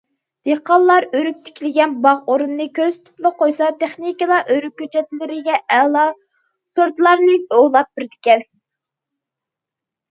دېھقانلار ئۆرۈك تىكىلگەن باغ ئورنىنى كۆرسىتىپلا قويسا، تېخنىكلار ئۆرۈك كۆچەتلىرىگە ئەلا سورتلارنى ئۇلاپ بېرىدىكەن.